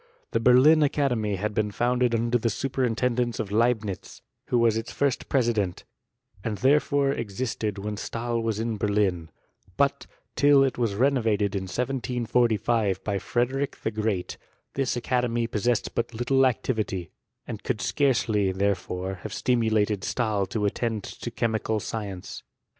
Tbe Berlin Academy had been founded under the su perintendence of Leibnitz, who was its first president; end therefore existed when Stahl was in Berlin : but, till it was renovated in 1745 by Frederick the Great, this academy possessed but little activity, and could scarcely, therefore, have stimulated Stahl to attend to chemical science.